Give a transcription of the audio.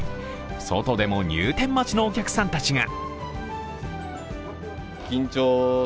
外でも入店待ちのお客さんたちが。